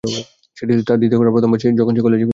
সেটি ছিল তার দ্বিতীয় ঘটনা, প্রথমবার যখন সে কলেজে ফিরে আসে।